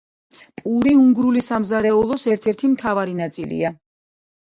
პური უნგრული სამზარეულოს ერთ-ერთი მთავარი ნაწილია.